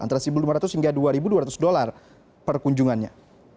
antara satu lima ratus hingga dua dua ratus dolar per kunjungannya